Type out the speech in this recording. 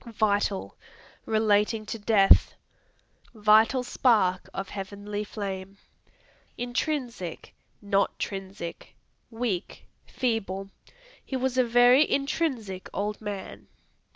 Vital Relating to death; "Vital spark of heavenly flame." Intrinsic not trinsic. Weak, feeble; "He was a very intrinsic old man."